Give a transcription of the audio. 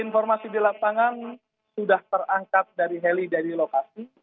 informasi di lapangan sudah terangkat dari heli dari lokasi